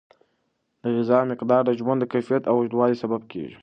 د غذا مقدار د ژوند د کیفیت او اوږدوالي سبب کیږي.